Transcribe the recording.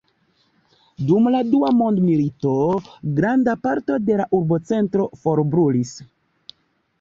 Dum la dua mondmilito granda parto de la urbocentro forbrulis.